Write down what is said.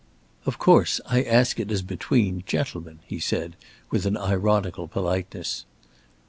"Of course I ask it as between gentlemen," he said, with an ironical politeness.